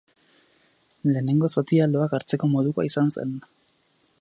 Lehenengo zatia loak hartzeko modukoa izan zen.